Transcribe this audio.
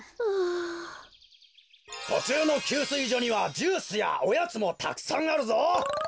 とちゅうの給水所にはジュースやおやつもたくさんあるぞ！